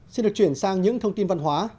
xin được chuyển sang những thông tin văn hóa